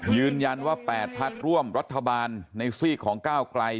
ยืนยันว่า๘พักร่วมรัฐบาลในซีกของก้าวไกล